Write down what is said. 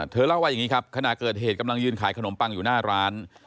เล่าว่าอย่างนี้ครับขณะเกิดเหตุกำลังยืนขายขนมปังอยู่หน้าร้าน